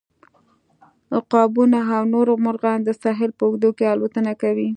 عقابونه او نور مرغان د ساحل په اوږدو کې الوتنه کوي